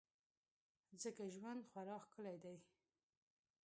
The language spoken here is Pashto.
ځکه ژوند خورا ښکلی دی.